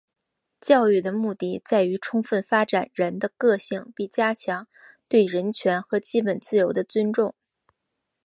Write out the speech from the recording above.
教育的目的在于充分发展人的个性并加强对人权和基本自由的尊重。